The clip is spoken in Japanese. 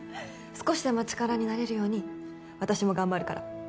少しでも力になれるように私も頑張るから